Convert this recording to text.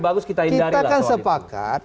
bagus kita hindari lah soal itu kita kan sepakat